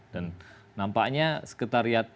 dan nampaknya sekretariat